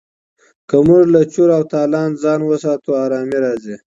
که موږ له چور او تالان ځان وساتو ارامي راځي.